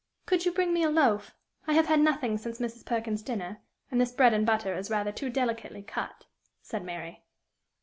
"Could you bring me a loaf? I have had nothing since Mrs. Perkin's dinner; and this bread and butter is rather too delicately cut," said Mary.